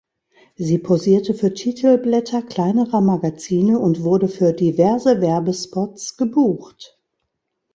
Sie posierte für Titelblätter kleinerer Magazine und wurde für diverse Werbespots gebucht.